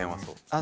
あ！